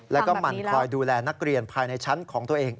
แล้วก็มันคอยดูแลนักเรียนภายในชั้นของตัวเอง